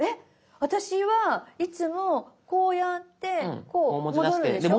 私はいつもこうやってこう。戻るでしょ。